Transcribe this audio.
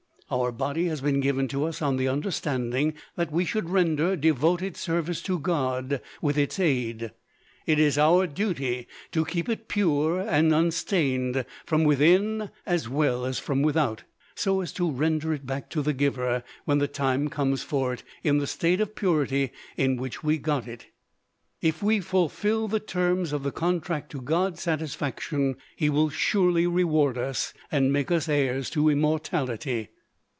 Our body has been given to us on the understanding that we should render devoted service to God with its aid. It is our duty to keep it pure and unstained from within as well as from without, so as to render it back to the Giver, when the time comes for it, in the state of purity in which we got it. If we fulfil the terms of the contract to God's satisfaction, He will surely reward us, and make us heirs to immortality.